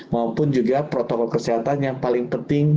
maupun juga protokol kesehatan yang paling penting